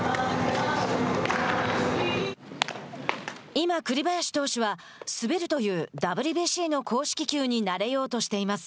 今、栗林投手は滑るというＷＢＣの公式球に慣れようとしています。